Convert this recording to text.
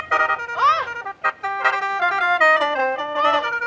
เหมือนแบบอิเล็กทรอนิกส์